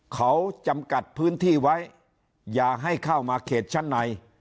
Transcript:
เขาจำกัดพื้นที่ไว้อย่าให้เข้ามาเขตชั้นใน